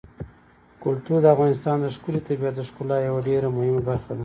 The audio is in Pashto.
کلتور د افغانستان د ښکلي طبیعت د ښکلا یوه ډېره مهمه برخه ده.